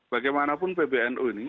bagaimanapun pbnu ini